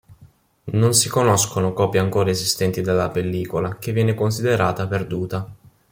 Non si conoscono copie ancora esistenti della pellicola che viene considerata perduta.